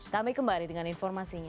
kami kembali dengan informasinya